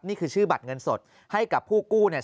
นี่คือชื่อบัตรเงินสดให้กับผู้กู้เนี่ย